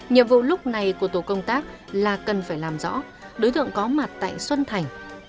nhiệm vụ lúc này của tổ công tác là cần phải làm rõ đối tượng có mặt tại xuân thành